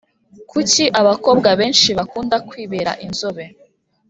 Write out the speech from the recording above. Kuki abakobwa benshi bakunda kwibera inzobe